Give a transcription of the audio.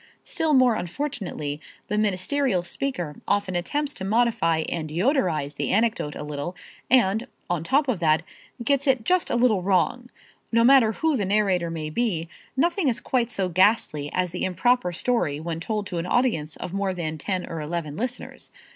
Still more unfortunately the ministerial speaker often attempts to modify and deodorize the anecdote a little and, on top of that, gets it just a little wrong. No matter who the narrator may be, nothing is quite so ghastly as the improper story when told to an audience of more than ten or eleven listeners.